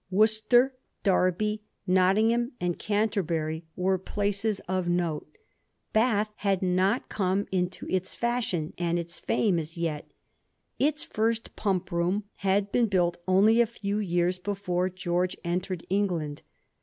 Worcester, Derby, Nottingham, and €anterbury were places of note. Bath had not come into its fashion and its fame as yet. Its first pump room had been buUt only a few years before George entered England.